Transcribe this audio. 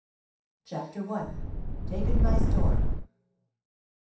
CHAPTER I. TAKEN BY STORM.